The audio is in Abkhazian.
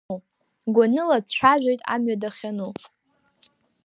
Гәаныла дцәажәоит амҩа дахьану.